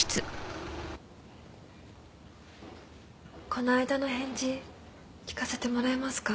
この間の返事聞かせてもらえますか？